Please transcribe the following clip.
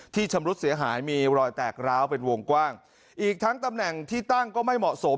ชำรุดเสียหายมีรอยแตกร้าวเป็นวงกว้างอีกทั้งตำแหน่งที่ตั้งก็ไม่เหมาะสม